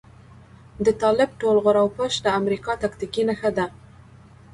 د طالب ټول غور او پش د امريکا تاکتيکي نښه ده.